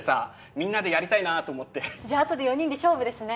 みんなでやりたいなと思ってじゃああとで４人で勝負ですね